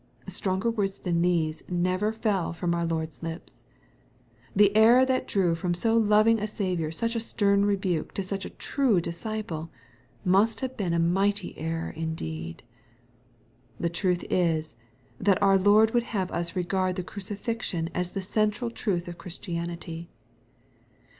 Stronger words than these never fell from our Lord's lips. The error that drew from so loving a Sa viour such a stern rebuke to such a true disciple, must have been a.mighty error indeed. The truth is, that our Lord would have us re gard the crucifixion as the central truth of Christianity.